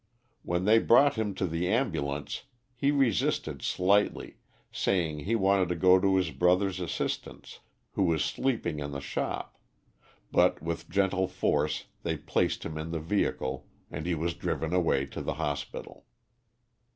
When they brought him to the ambulance, he resisted slightly, saying he wanted to go to his brother's assistance, who was sleeping in the shop, but with gentle force they placed him in the vehicle, and he was driven away to the hospital.